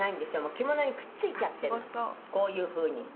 「着物にくっついちゃってるのこういう風に」